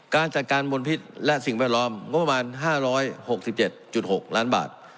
การจัดการมนพิษและสิ่งแวดล้อมงบประมาณ๕๖๗๖ล้านบาท